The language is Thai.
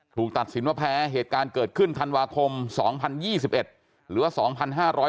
ถูกตัดสินว่าแพ้เหตุการณ์เกิดขึ้นธันวาคม๒๐๒๑หรือว่า๒๕๖๒